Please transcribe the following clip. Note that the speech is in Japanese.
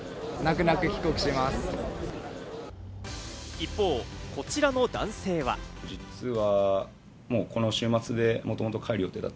一方、こちらの男性は。